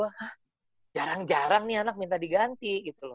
hah jarang jarang nih anak minta diganti